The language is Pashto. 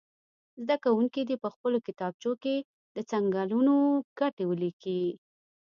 زده کوونکي دې په خپلو کتابچو کې د څنګلونو ګټې ولیکي.